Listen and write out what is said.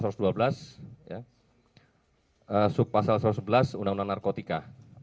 subpasal satu ratus sebelas undang undang narkotika